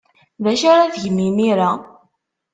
D acu ara tgem imir-a?